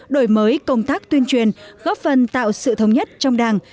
đổi mới công tác tuyên truyền góp phần tạo sự thống nhất trong đảng